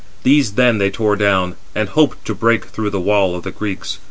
These then they tore down, and hoped to break through the wall of the Greeks.